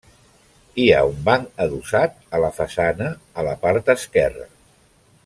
Hi ha un banc adossat a la façana a la part esquerra.